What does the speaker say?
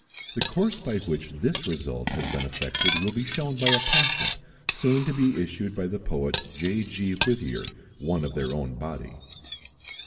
The course by which this result has been effected will be shown by a pamphlet soon to be issued by the poet J. G. Whittier, one of their own body.